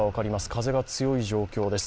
風が強い状況です。